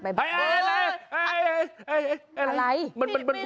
ประมาศอะไรเป็นราคา